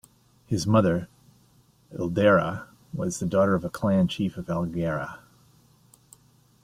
His mother, Ildera, was the daughter of a clan chief of Algaria.